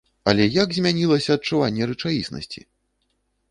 Але як змянілася адчуванне рэчаіснасці!